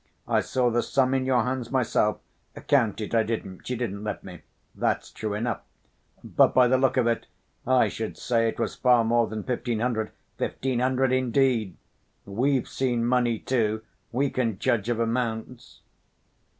I saw the sum in your hands, myself—count it I didn't, you didn't let me, that's true enough—but by the look of it I should say it was far more than fifteen hundred ... fifteen hundred, indeed! We've seen money too. We can judge of amounts...."